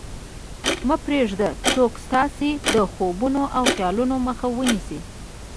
مه پرېږدئ څوک ستاسې د خوبونو او خیالونو مخه ونیسي